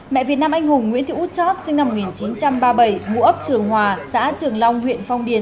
mẹ việt nam anh hùng nguyễn thị út chót sinh năm một nghìn chín trăm ba mươi bảy ngụ ấp trường hòa xã trường long huyện phong điền